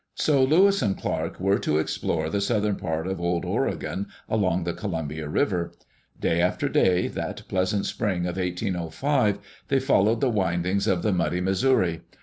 So Lewis and Clark were to explore the southern part of Old Oregon, along the Columbia River. Day after day, that pleasant spring of 1805, they followed the windings of the muddy Missouri.